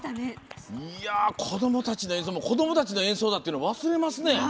子どもたちの演奏も子どもたちの演奏だって忘れますね。